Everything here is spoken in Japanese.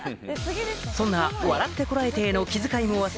そんな『笑ってコラえて！』への気遣いも忘れない